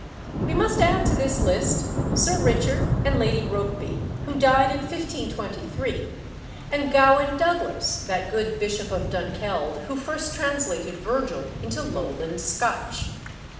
We must add to this list Sir Richard and Lady Rokeby, who died in 1523, and Gawin Douglas, that good Bishop of Dunkeld who first translated Virgil into Lowland Scotch.